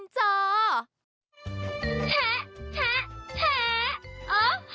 จ๊ะแจ๊ะริมจ้อ